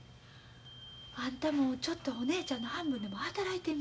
あんたもちょっとお姉ちゃんの半分でも働いてみ。